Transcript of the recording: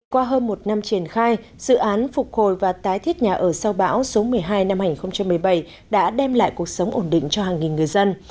qua hơn một năm triển khai dự án phục hồi và tái thiết nhà ở sau bão số một mươi hai năm hai nghìn một mươi bảy đã đem lại cuộc sống ổn định cho hàng nghìn người dân